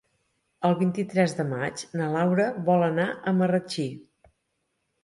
El vint-i-tres de maig na Laura vol anar a Marratxí.